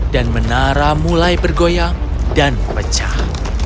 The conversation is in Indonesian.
dan menara mulai bergoyang dan pecah